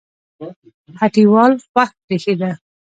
هټۍوال خوښ برېښېده